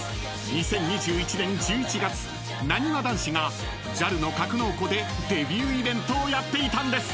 ２０２１年１１月なにわ男子がＪＡＬの格納庫でデビューイベントをやっていたんです］